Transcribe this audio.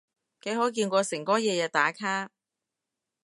幾可見過誠哥日日打卡？